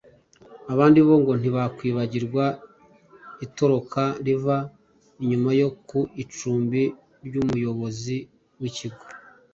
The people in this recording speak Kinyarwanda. Abandi bo ngo ntibakwibagirwa itoroka riva inyuma yo ku icumbi ry’umuyobozi w’ikigo